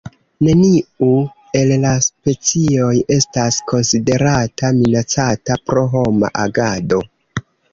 Neniu el la specioj estas konsiderata minacata pro homa agado.